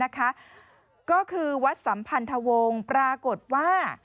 ก็คือวัดสัมพันธวงศ์ปรากฏว่า